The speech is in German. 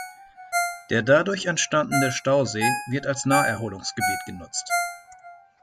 Der dadurch entstandene Stausee wird als Naherholungsgebiet genutzt.